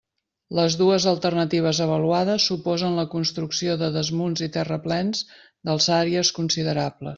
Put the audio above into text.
Les dues alternatives avaluades suposen la construcció de desmunts i terraplens d'alçàries considerables.